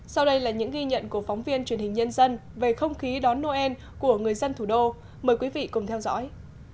sau đây là những ghi nhận của phóng viên truyền hình nhân dân về không khí đón noel của người dân thủ đô mời quý vị cùng theo dõi